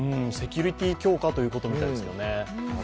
セキュリティー強化ということみたいですけどね。